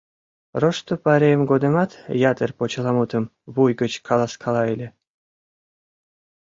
Рошто пайрем годымат ятыр почеламутым вуйгыч каласкала ыле.